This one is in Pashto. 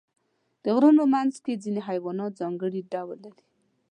د غرونو منځ کې ځینې حیوانات ځانګړي ډول لري.